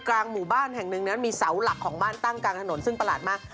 กลางหมู่บ้านแห่งหนึ่งนั้นมีเสาหลักของบ้านตั้งกลางถนนซึ่งประหลาดมาก